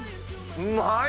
うまい！